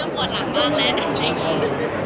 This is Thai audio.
ขอบคุณภาษาให้ด้วยเนี่ย